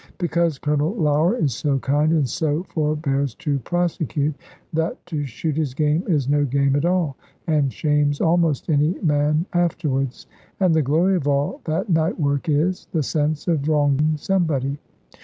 Because Colonel Lougher is so kind, and so forbears to prosecute, that to shoot his game is no game at all, and shames almost any man afterwards. And the glory of all that night work is, the sense of wronging somebody.